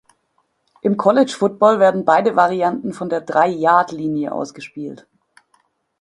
Im College Football werden beide Varianten von der Drei-Yard-Linie aus gespielt.